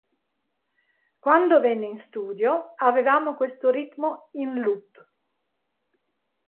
Quando venne in studio, avevamo questo ritmo in loop.